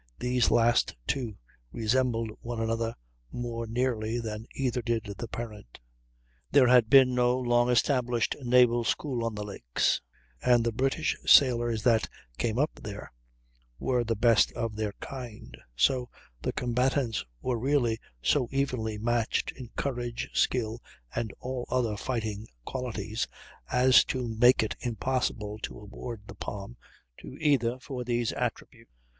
These last two resembled one another more nearly than either did the parent. There had been no long established naval school on the lakes, and the British sailors that came up there were the best of their kind; so the combatants were really so evenly matched in courage, skill, and all other fighting qualities, as to make it impossible to award the palm to either for these attributes.